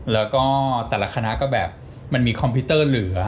แล้วก็แต่ละคณะก็แบบมันมีคอมพิวเตอร์เหลือ